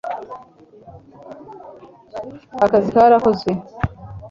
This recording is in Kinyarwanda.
akazi karakozwe